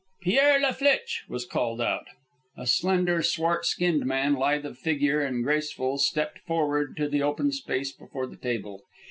"Pierre La Flitche!" was called out. A slender, swart skinned man, lithe of figure and graceful, stepped forward to the open space before the table.